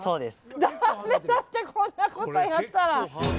だめだってこんなことやったら。